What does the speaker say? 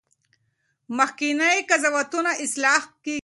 مخکني قضاوتونه اصلاح کیږي.